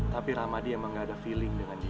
tapi ramadi emang gak ada feeling dengan dia